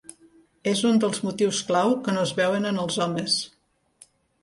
És un dels motius clau que no es veuen en els homes.